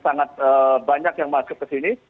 sangat banyak yang masuk ke sini